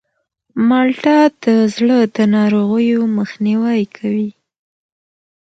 مالټه د زړه د ناروغیو مخنیوی کوي.